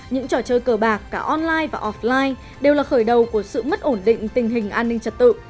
những trò chơi cờ bạc cả online và offline đều là khởi đầu của sự mất ổn định tình hình an ninh trật tự